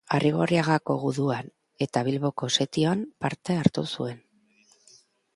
Arrigorriagako Guduan eta Bilboko setioan parte hartu zuen.